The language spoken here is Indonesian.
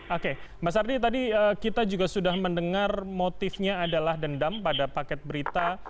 oke mas ardi tadi kita juga sudah mendengar motifnya adalah dendam pada paket berita